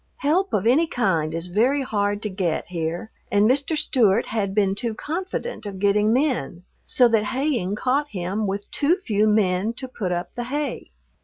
Help of any kind is very hard to get here, and Mr. Stewart had been too confident of getting men, so that haying caught him with too few men to put up the hay.